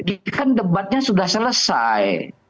ini kan debatnya sudah selesai